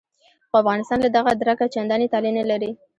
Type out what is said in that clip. خو افغانستان له دغه درکه چندانې طالع نه لري.